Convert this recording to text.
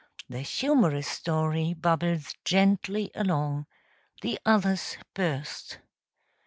The humorous story bubbles gently along, the others burst.